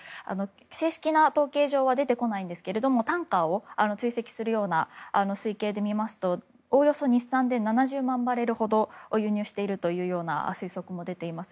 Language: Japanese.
正式な統計上は出てこないんですが、タンカーを追跡するような推計で見ますとおおよそ日算で３０００万バレルほど輸入しているという推測も出ています。